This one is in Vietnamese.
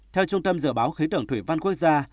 theo trung tâm dự báo khí tượng thủy văn quốc gia